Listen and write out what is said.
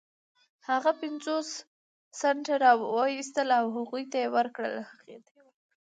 هغه پنځوس سنټه را و ايستل او هغې ته يې ورکړل.